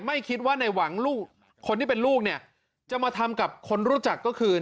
ไม่คิดว่าในหวังลูกคนที่เป็นลูกเนี่ยจะมาทำกับคนรู้จักก็คือ